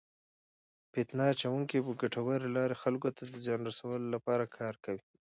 فتنه اچونکي په ګټورې لارې خلکو ته د زیان رسولو لپاره کار کوي.